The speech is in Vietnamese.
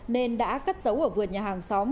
nên đã cất giấu ở vườn nhà hàng xóm